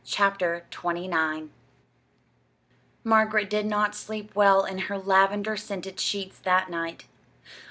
CHAPTER XXIX Margaret did not sleep well in her lavender scented sheets that night.